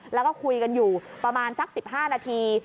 แล้วก็คุยกันอยู่ประมาณสัก๑๕นาที